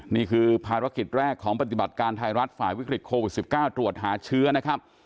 นี่คือภารกิจแรกของปฏิบัติการไทยรัฐฝ่ายวิกฤตโควิด๑๙ตรวจหาเชื้อนะครับ